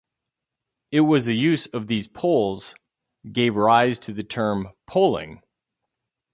It was the use of these poles gave rise to the term "poling".